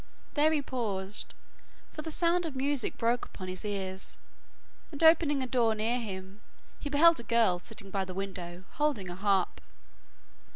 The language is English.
There he paused, for the sound of music broke upon his ears, and opening a door near him, he beheld a girl sitting by the window, holding a harp.